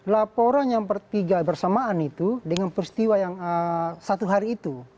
laporan yang bersamaan itu dengan peristiwa yang satu hari itu